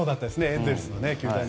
エンゼルスの球団に。